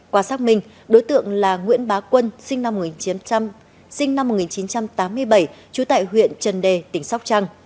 qua xác minh đối tượng là nguyễn bá quân sinh năm một nghìn chín trăm tám mươi bảy trú tại huyện trần đề tỉnh sóc trăng